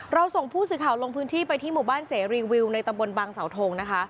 ส่งผู้สื่อข่าวลงพื้นที่ไปที่หมู่บ้านเสรีวิวในตำบลบังเสาทงนะคะ